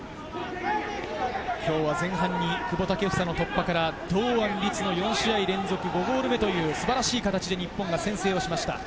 今日は前半に久保建英の突破から堂安律の４試合連続５ゴール目という素晴らしい形で日本が先制しました。